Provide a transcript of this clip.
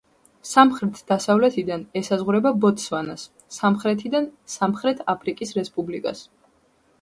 სამხრეთ-დასავლეთიდან ესაზღვრება ბოტსვანას, სამხრეთიდან სამხრეთ აფრიკის რესპუბლიკას.